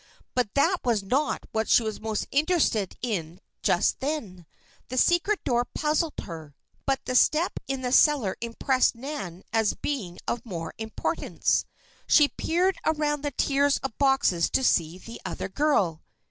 But that was not what she was most interested in just then. The secret door puzzled her, but the step in the cellar impressed Nan as being of more importance. She peered around the tiers of boxes to see the other girl.